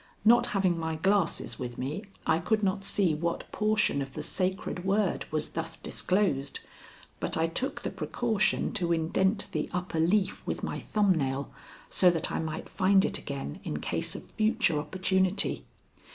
Not having my glasses with me, I could not see what portion of the sacred word was thus disclosed, but I took the precaution to indent the upper leaf with my thumb nail, so that I might find it again in case of future opportunity.